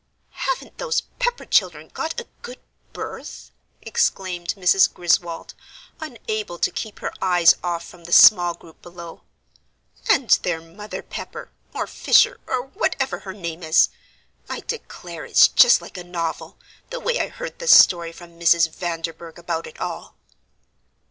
"Haven't those Pepper children got a good berth?" exclaimed Mrs. Griswold, unable to keep her eyes off from the small group below. "And their Mother Pepper, or Fisher, or whatever her name is I declare it's just like a novel, the way I heard the story from Mrs. Vanderburgh about it all."